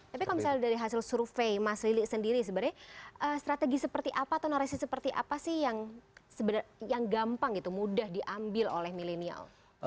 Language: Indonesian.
tapi kalau misalnya dari hasil survei mas lili sendiri sebenarnya strategi seperti apa atau narasi seperti apa sih yang gampang gitu mudah diambil oleh milenial